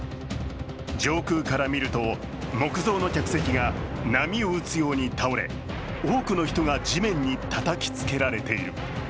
上空から見ると、木造の客席が波を打つように倒れ多くの人が地面にたたきつけられている。